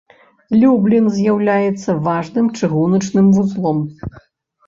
Люблін з'яўляецца важным чыгуначным вузлом.